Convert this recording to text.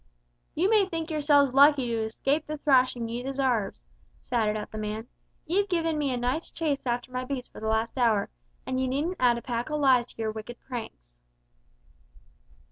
"You may think yourselves lucky to escape the thrashing ye desarves!" shouted out the man; "ye've given me a nice chase after my beast for the last hour, and ye needn't add a pack of lies to your wicked pranks!"